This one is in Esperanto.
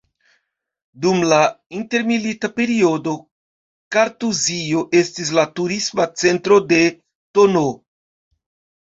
Dum la intermilita periodo Kartuzio estis la Turisma Centro de tn.